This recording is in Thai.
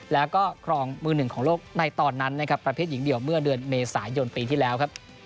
แล้วก็ครองมือหนึ่งของโลกในตอนนั้นนะครับประเภทหญิงเดียวเมื่อเดือนเมษายนปีที่แล้วครับ